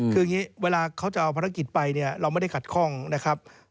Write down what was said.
คืออย่างนี้เวลาเขาจะเอาภารกิจไปเนี่ยเราไม่ได้ขัดข้องนะครับ